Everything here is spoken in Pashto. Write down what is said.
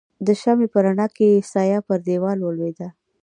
د شمعې په رڼا کې يې سایه پر دیوال ولوېدل.